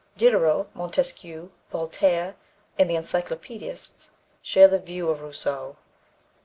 Diderot, Montesquieu, Voltaire and the Encyclopedists share the views of Rousseau.